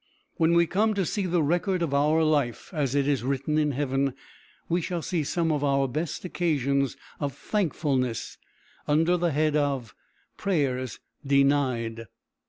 When we come to see the record of our life as it is written in heaven, we shall see some of our best occasions of thankfulness under the head of "prayers denied."